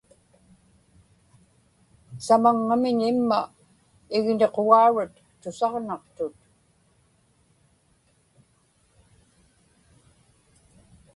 samaŋŋamñ imma igniqugaurat tusaġnaqtut